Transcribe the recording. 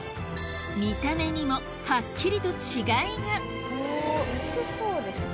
見た目にもはっきりと違いが薄そうですね。